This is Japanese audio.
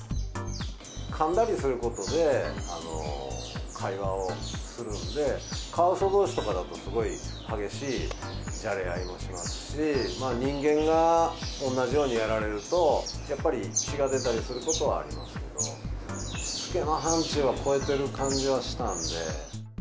かんだりすることで、会話をするんで、カワウソどうしとかだと、すごい激しいじゃれ合いもしますし、人間が同じようにやられると、やっぱり血が出たりすることはありますけど、しつけの範ちゅうは超えている感じはしたんで。